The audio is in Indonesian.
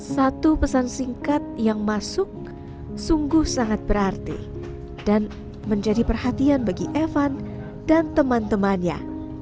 satu pesan singkat yang masuk sungguh sangat berarti dan menjadi perhatian bagi evan dan teman temannya